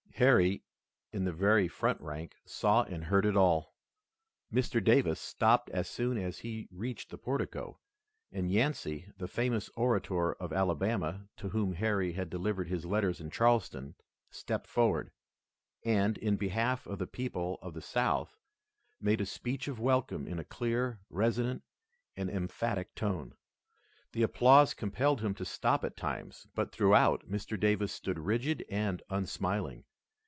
Harry, in the very front rank, saw and heard it all. Mr. Davis stopped as soon as he reached the portico, and Yancey, the famous orator of Alabama, to whom Harry had delivered his letters in Charleston, stepped forward, and, in behalf of the people of the South, made a speech of welcome in a clear, resonant, and emphatic tone. The applause compelled him to stop at times, but throughout, Mr. Davis stood rigid and unsmiling.